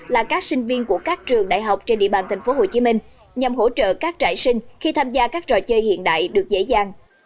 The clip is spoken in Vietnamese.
là các sinh viên của các trường đại học trên địa bàn tp hcm nhằm hỗ trợ các trại sinh khi tham gia các trò chơi hiện đại được dễ dàng